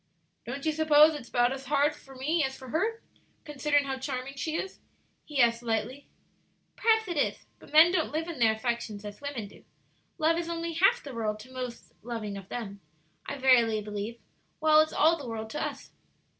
"Don't you suppose it's about as hard for me as for her, considering how charming she is?" he asked, lightly. "Perhaps it is; but men don't live in their affections as women do; love is only half the world to the most loving of them, I verily believe, while it's all the world to us."